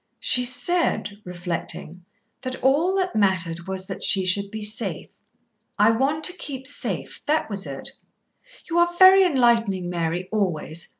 "She said," reflecting, "that all that mattered was that she should be safe. 'I want to keep safe.' That was it. You are very enlightening, Mary, always.